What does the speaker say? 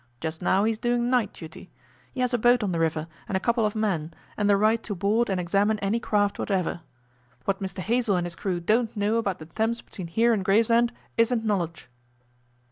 Just now he is doing night duty. He has a boat on the river and a couple of men, and the right to board and examine any craft whatever. What Mr Hazell and his crew don't know about the Thames between here and Gravesend isn't knowledge.